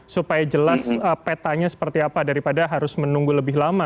supaya jelas petanya seperti apa daripada harus menunggu lebih lama